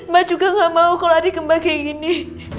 mbak juga gak mau kalau adik kembar kayak gini